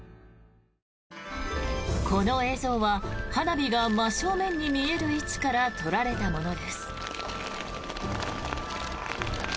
この映像は花火が真正面に見える位置から撮られたものです。